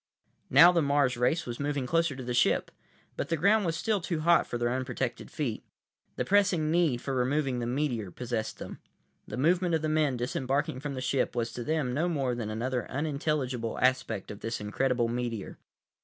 Now the Mars race was moving closer to the ship, but the ground was still too hot for their unprotected feet. The pressing need for removing the meteor possessed them. The movement of the men disembarking from the ship was to them no more than another unintelligible aspect of this incredible meteor.